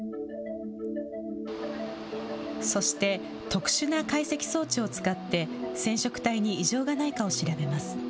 そして特殊な解析装置を使って、染色体に異常がないかを調べます。